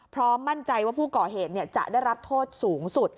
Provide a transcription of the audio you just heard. พร้อมมั่นใจว่าผู้ก่อเหตุจะได้รับโทษสูงสุด